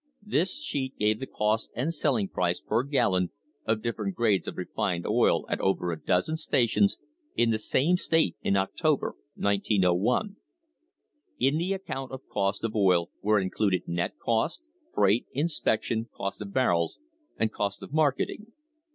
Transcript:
This sheet gave the cost and selling price per gallon of different grades of refined oil at over a dozen stations in the same state in October, 1901. In the account of cost of oil were included THE HISTORY OF THE STANDARD OIL COMPANY net cost, freight, inspection, cost of barrels and cost of mar keting.